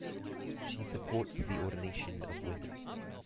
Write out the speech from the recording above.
She supports the ordination of women.